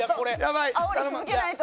あおり続けないと。